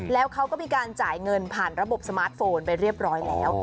แล้วเขาก็มีการจ่ายเงินผ่านระบบสมาร์ทโฟนไปเรียบร้อยแล้ว